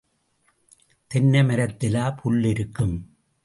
தென்னை மரத்திலா புல் இருக்கும்?